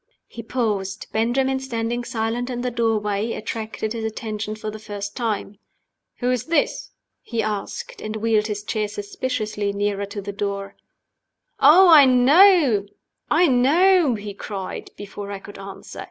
He paused. Benjamin, standing silent in the doorway, attracted his attention for the first time. "Who is this?" he asked, and wheeled his chair suspiciously nearer to the door. "I know!" he cried, before I could answer.